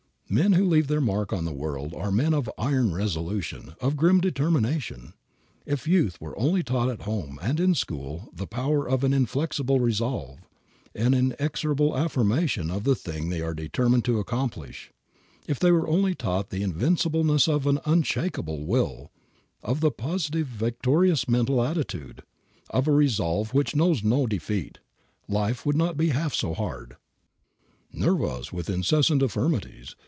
Men who leave their mark on the world are men of iron resolution, of grim determination. If youth were only taught at home and in school the power of an inflexible resolve, an inexorable affirmation of the thing they are determined to accomplish; if they were only taught the invincibleness of an unshakable will, of the positive victorious mental attitude, of a resolve which knows no defeat, life would not be half so hard. "Nerve us with incessant affirmatives.